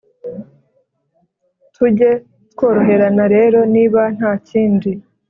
tujye tworoherana rero niba ntakindi